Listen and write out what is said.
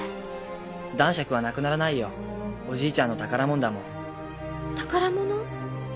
男爵はなくならないよおじいちゃんの宝物だもん。宝物？